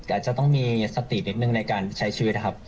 อาจจะต้องมีสตินิดนึงในการใช้ชีวิตนะครับ